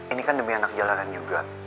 ini kan demi anak jalanan juga